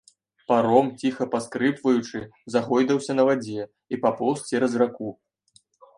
Паром, ціха паскрыпваючы, загойдаўся на вадзе і папоўз цераз раку.